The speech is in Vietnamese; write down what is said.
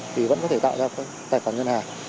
thì vẫn có thể tạo ra tài khoản ngân hàng